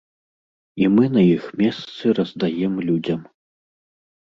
І мы іх на месцы раздаем людзям.